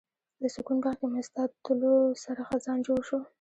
د سکون باغ کې مې ستا تلو سره خزان جوړ شو